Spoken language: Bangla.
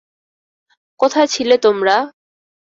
কোথায় ছিলে তোমরা?